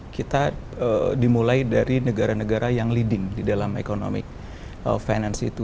kita dimulai dari negara negara yang leading di dalam economic finance itu